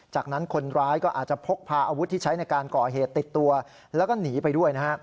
จากนั้นคนร้ายก็อาจจะพกพาอาวุธที่ใช้ในการก่อเหตุติดตัวแล้วก็หนีไปด้วยนะฮะ